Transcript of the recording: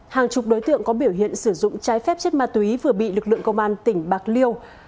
hàng chục đối tượng có biểu hiện sử dụng trái phép chất ma túy vừa bị lực lượng công an tỉnh bạc liêu